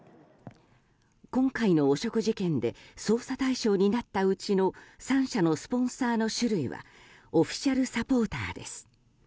今回の汚職事件で捜査対象になったうちの３社のスポンサーの種類はオフィシャルサポーターです。